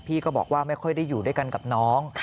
พี่ก็บอกว่าไม่ค่อยได้อยู่ด้วยกันกับน้อง